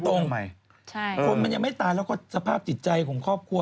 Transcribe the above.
คนมันยังไม่ตายแล้วก็สภาพจิตใจของครอบครัว